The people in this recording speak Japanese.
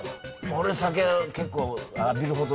俺酒結構浴びるほど。